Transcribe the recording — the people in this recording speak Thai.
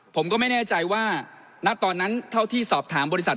ผมก็ไม่แน่ใจว่าณตอนนั้นเท่าที่สอบถามบริษัท